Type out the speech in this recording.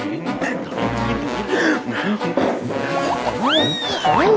pak ade aku happy